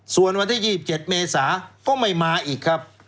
ส่วนวันที่๒๗เมษาก็ไม่มาอีกครับ